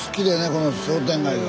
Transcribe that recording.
この商店街が。